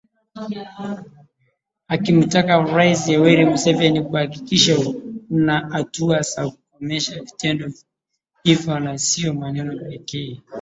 akimtaka RaisiYoweri Museveni kuhakikisha kuna hatua za kukomesha vitendo hivyo na sio maneno pekee